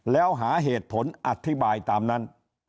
แล้วหาเหตุผลอธิบายตามนั้น